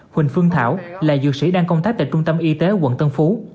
huỳnh phương thảo là dược sĩ đang công tác tại trung tâm y tế quận tân phú